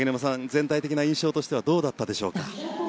全体的な印象としてはどうだったでしょうか？